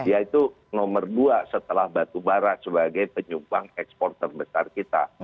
yaitu nomor dua setelah batubara sebagai penyumbang ekspor terbesar kita